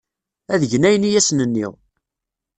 Ad gen ayen i asen-nniɣ.